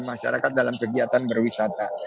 masyarakat dalam kegiatan berwisata